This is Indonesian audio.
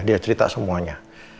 dia cerita semuanya